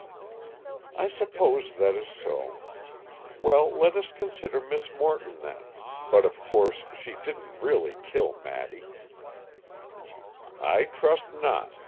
"I suppose that is so. Well, let us consider Miss Morton then, but of course she didn't really kill Maddy." "I trust not.